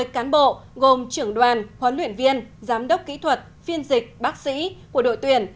một mươi cán bộ gồm trưởng đoàn huấn luyện viên giám đốc kỹ thuật phiên dịch bác sĩ của đội tuyển